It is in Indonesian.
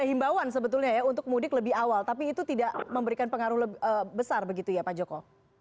himbauan sebetulnya ya untuk mudik lebih awal tapi itu tidak memberikan pengaruh besar begitu ya pak joko